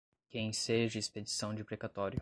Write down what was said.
que enseje expedição de precatório